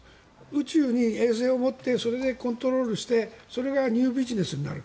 宇宙に衛星を持ってそれでコントロールしてそれがニュービジネスになる。